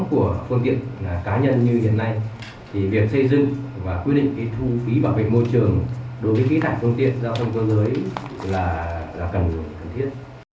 các phương tiện cá nhân cũng được tính đếm và quyết định thù phí vào một số các khu vực trung tâm mà cần bảo vệ môi trường đối với kỹ năng phương tiện giao thông cơ giới là cần thiết